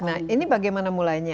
nah ini bagaimana mulainya